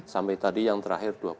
sampai tadi yang terakhir dua puluh